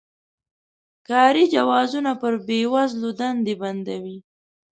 کاري جوازونه پر بې وزلو دندې بندوي.